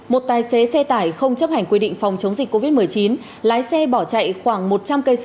một tài xế xe tải không chấp hành quy định phòng chống dịch covid một mươi chín lái xe bỏ chạy khoảng một trăm linh cơ sở